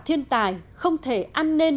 thiên tài không thể ăn nên